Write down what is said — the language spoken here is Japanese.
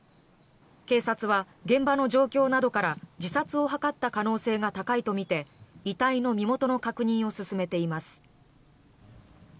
警察は現場の状況などから自殺を図った可能性が高いとみて遺体の身元の確認を進めています。